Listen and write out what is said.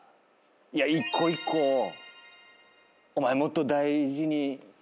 一個一個をお前もっと大事に。